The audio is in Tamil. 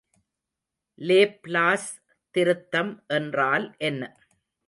லேப்லாஸ் திருத்தம் என்றால் என்ன?